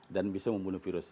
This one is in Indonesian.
dan bisa membunuh virus